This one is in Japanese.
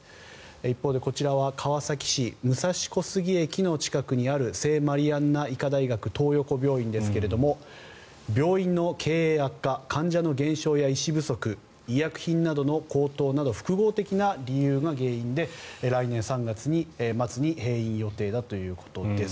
一方でこちらは川崎市、武蔵小杉駅の近くにある聖マリアンナ医科大学東横病院ですが病院の経営悪化患者の減少や医師不足医薬品などの高騰など複合的な理由が原因で来年３月末に閉院予定だということです。